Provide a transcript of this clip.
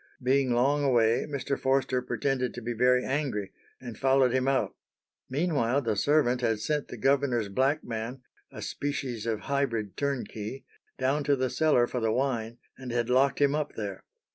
Being long away, Mr. Forster pretended to be very angry, and followed him out. Meanwhile the servant had sent the governor's black man, a species of hybrid turnkey, down to the cellar for the wine, and had locked him up there.